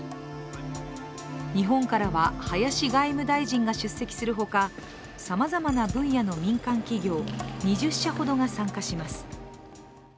日本からは林外務大臣が出席するほか、さまざまな分野の民間企業２０社ほどが参加します。